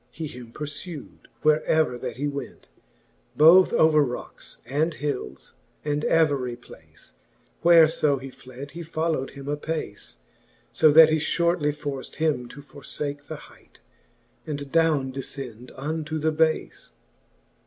He him purfewd, where ever that he went : Both over rockes, and hilles, and every place, Where fo he fled, he folio wd him apace: So that he fliortly forcd him to forfake The hight, and downe dcfcend unto the bafe.